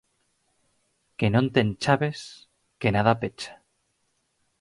Que non ten chaves, que nada pecha.